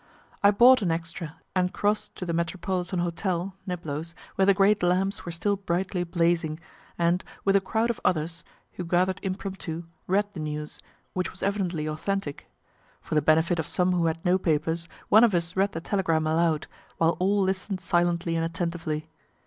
I bought an extra and cross'd to the Metropolitan hotel (Niblo's) where the great lamps were still brightly blazing, and, with a crowd of others, who gather'd impromptu, read the news, which was evidently authentic. For the benefit of some who had no papers, one of us read the telegram aloud, while all listen'd silently and attentively.